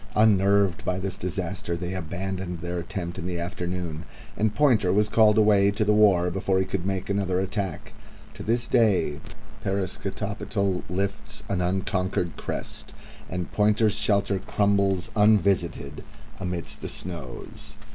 Unnerved by this disaster, they abandoned their attempt in the afternoon, and Pointer was called away to the war before he could make another attack. To this day Parascotopetl lifts an unconquered crest, and Pointer's shelter crumbles unvisited amidst the snows.